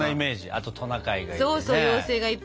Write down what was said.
あとトナカイがいてね。